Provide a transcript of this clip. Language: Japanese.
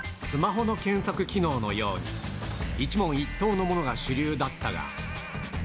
スマホの検索機能のように、一問一答のものが主流だったが。